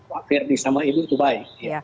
pak ferdi sama ibu itu baik